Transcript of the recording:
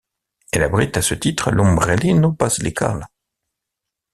Elle abrite à ce titre l'ombrellino basilical.